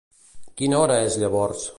Quina hora és llavors?